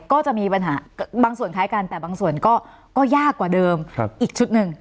ก็จะมีปัญหาบางส่วนคล้ายกันแต่บางส่วนก็ยากกว่าเดิมอีกชุดหนึ่ง